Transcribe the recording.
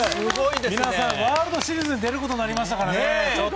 皆さん、ワールドシリーズに出ることになりましたから。